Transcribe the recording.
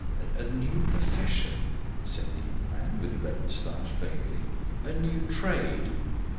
"A new profession!" said the young man with the red moustache vaguely; "a new trade!"